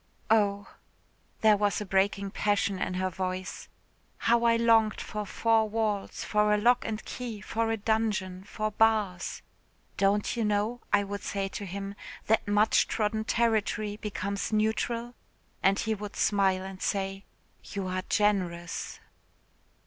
Oh," there was a breaking passion in her voice "how I longed for four walls, for a lock and key, for a dungeon, for bars. 'Don't you know,' I would say to him, 'that much trodden territory becomes neutral?' and he would smile and say, 'you are generous.'"